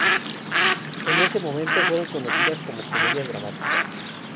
En ese momento, fueron conocidas como "comedias dramáticas".